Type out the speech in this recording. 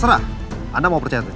ini bunga yang saya beli